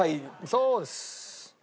そうです。